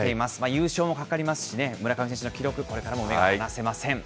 優勝もかかりますしね、村上選手の記録、これからも目が離せません。